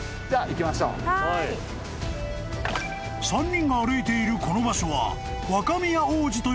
［３人が歩いているこの場所は］